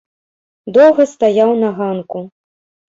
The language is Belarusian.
Доўга стаяў на ганку.